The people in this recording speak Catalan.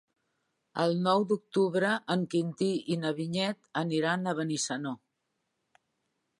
El nou d'octubre en Quintí i na Vinyet aniran a Benissanó.